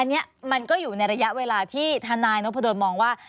อันนี้มันก็อยู่ในระยะเวลาที่ทนายนพดลมองว่า